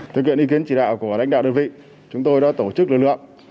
thực hiện ý kiến chỉ đạo của đánh đạo đơn vị chúng tôi đã tổ chức lưu lượng